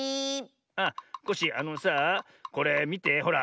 あっコッシーあのさあこれみてほら。